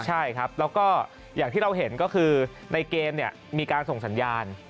ใช่ครับแล้วก็อย่างที่เราเห็นก็คือในเกมมีการส่งสัญญาณ